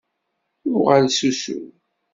Uɣal s usu!